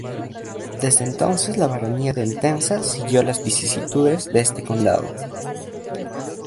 Desde entonces la baronía de Entenza siguió las vicisitudes de este condado.